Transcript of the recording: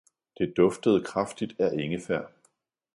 Det duftede kraftigt af ingefær.